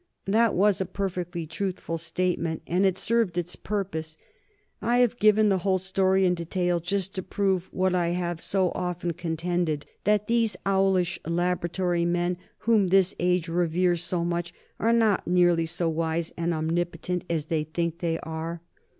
That was a perfectly truthful statement, and it served its purpose. I have given the whole story in detail just to prove what I have so often contended: that these owlish laboratory men whom this age reveres so much are not nearly so wise and omnipotent as they think they are.